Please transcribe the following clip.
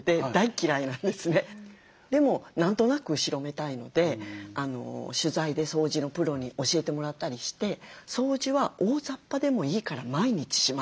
でも何となく後ろめたいので取材で掃除のプロに教えてもらったりして掃除は大ざっぱでもいいから毎日しますということだったんですよ。